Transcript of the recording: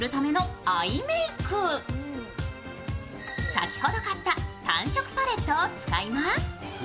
先ほど買った、単色パレットを使います。